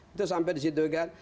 itu sampai di situ kan